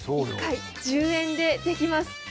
１回１０円でできます。